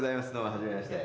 はじめまして。